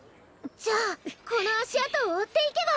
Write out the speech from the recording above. じゃあこのあしあとをおっていけば！